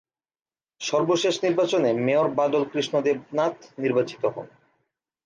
সর্বশেষ নির্বাচনে মেয়র বাদল কৃষ্ণ দেবনাথ নির্বাচিত হন।